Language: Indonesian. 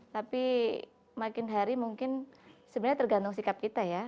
tapi makin hari mungkin sebenarnya tergantung sikap kita ya